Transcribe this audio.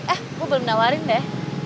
eh aku belum nawarin deh